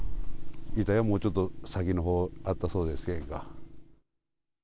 遺体はもうちょっと先のほう、あったそうですけんが。